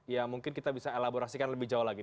ya mungkin kita bisa elaborasikan lebih jauh lagi